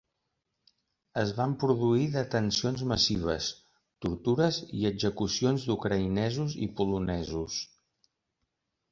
Es van produir detencions massives, tortures i execucions d'ucraïnesos i polonesos.